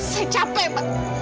saya capek pak